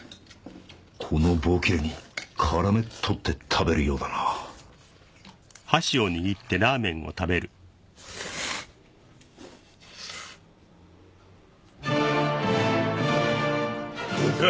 この棒きれに絡め取って食べるようだなどうした？